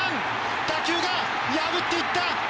打球が破っていった！